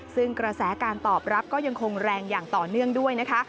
ซึ่งกระแสการตอบรับก็ยังคงแรงอย่างต่อเนื่องด้วยนะคะ